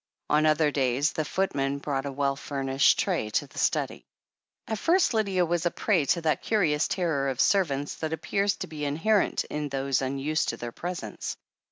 On other days, the footman brought a well furnished tray to the study. At first, Lydia was a prey to that curious terror of servants that appears to be inherent in those unused to their presence.